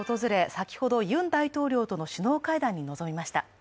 先ほどユン大統領との首脳会談に臨みました。